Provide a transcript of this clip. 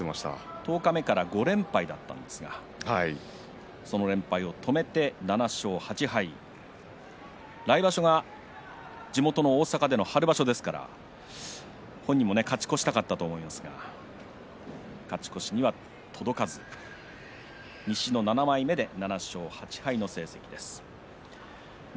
十日目から５連敗だったんですがその連敗を止めて来場所は春場所で大阪ですから本人も勝ち越したかったと思うのですが西の７枚目で７勝８敗の成績です。